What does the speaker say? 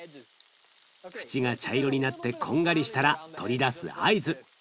縁が茶色になってこんがりしたら取り出す合図。